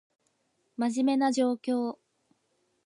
真面目な状況